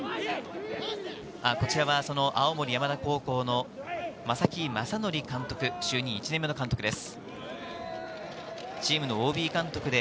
こちらは青森山田高校の正木昌宣監督、就任１年目の監督です。